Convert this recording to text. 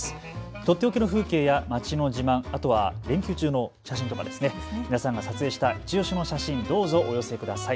とっておきの風景や街の自慢、連休中の写真とか皆さんが撮影したのいちオシの写真どうぞお寄せください。